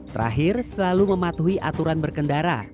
terakhir selalu mematuhi aturan berkendara